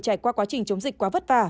trải qua quá trình chống dịch quá vất vả